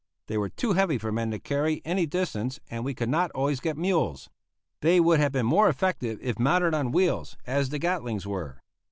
They were too heavy for men to carry any distance and we could not always get mules. They would have been more effective if mounted on wheels, as the Gatlings were.